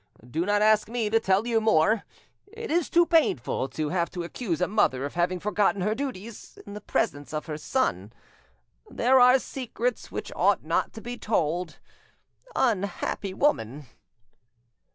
Do not ask me to tell you more; it is too painful to have to accuse a mother of having forgotten her duties in the presence of her son ... there are secrets which ought not to be told—unhappy woman!"